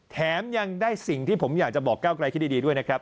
แถมยังได้สิ่งที่ผมอยากจะบอกก้าวกลายคิดดีด้วยนะครับ